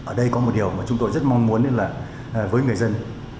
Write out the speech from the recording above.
ở đây có một điều mà chúng tôi rất mong muốn là với người dân